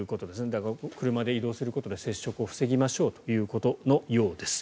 だから車で移動することで接触を防ぎましょうということのようです。